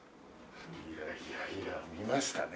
いやいやいや見ましたね。